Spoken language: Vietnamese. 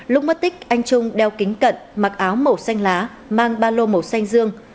lúc mất tích anh trung đeo kính cận mặc áo màu xanh lá mang ba lô màu xanh dương